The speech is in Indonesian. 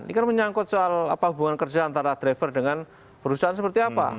ini kan menyangkut soal apa hubungan kerja antara driver dengan perusahaan seperti apa